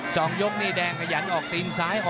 สองยกนี่แดงกระยันออกตีสาย